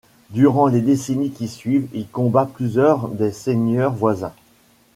Durant les décennies qui suivent, il combat plusieurs des seigneurs voisins.